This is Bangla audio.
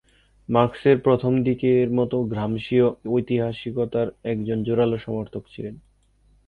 মার্ক্সের প্রথম দিকের মতো গ্রামসিও ঐতিহাসিকতার একজন জোরালো সমর্থক ছিলেন।